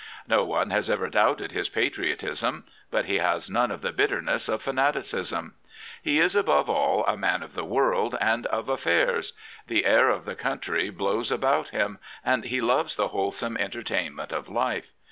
No one has ever doubted his patriotism ; but he has none of the bitter ness of fanaticism. He is above all a man of the world and of affairs. The air of the country blows about him, and he loves the wholesome entertainment of life.